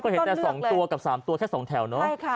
เห็นแต่๒ตัวกับ๓ตัวแค่๒แถวเนาะ